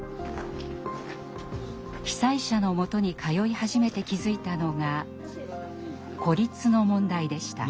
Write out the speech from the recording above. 被災者のもとに通い始めて気付いたのが「孤立」の問題でした。